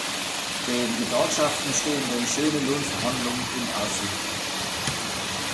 Den Gewerkschaften stehen dann schöne Lohnverhandlungen in Aussicht.